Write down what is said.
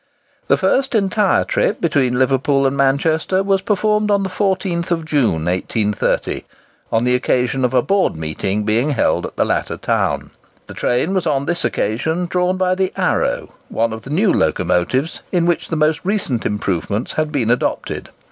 The first entire trip between Liverpool and Manchester was performed on the 14th of June, 1830, on the occasion of a Board meeting being held at the latter town. The train was on this occasion drawn by the "Arrow," one of the new locomotives, in which the most recent improvements had been adopted.